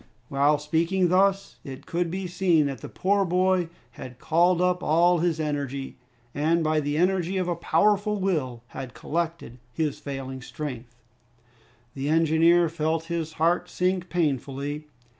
While speaking thus, it could be seen that the poor boy had called up all his energy, and by the energy of a powerful will had collected his failing strength. The engineer felt his heart sink painfully.